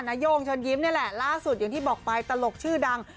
นาย่งเชิญยิ้มนี่แหละล่าสุดอย่างที่บอกไปตลกชื่อดัง